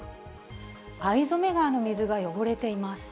逢初川の水が汚れています。